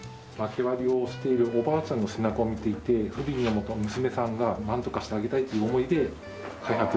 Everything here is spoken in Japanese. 薪割りをしているおばあちゃんの背中を見ていてふびんに思った娘さんがなんとかしてあげたいという思いで開発した。